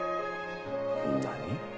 何？